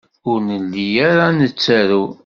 Ur nelli ara nettaru.